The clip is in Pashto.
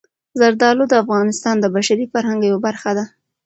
زردالو د افغانستان د بشري فرهنګ یوه برخه ده.